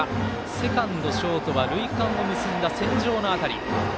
セカンド、ショートは塁間を結んだ線上の辺り。